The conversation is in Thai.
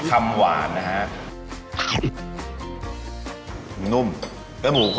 คำหวานนะฮะ